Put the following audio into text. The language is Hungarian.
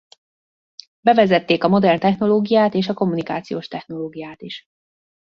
Bevezették a modern technológiát és a kommunikációs technológiát is.